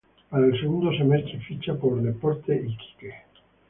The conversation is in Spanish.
Para el segundo semestre ficha por Deportes Iquique.